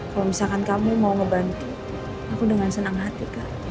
kalau misalkan kamu mau ngebantu aku dengan senang hati kak